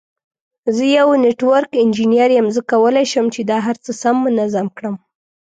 زه یو نټورک انجینیر یم، زه کولای شم چې دا هر څه سم منظم کړم.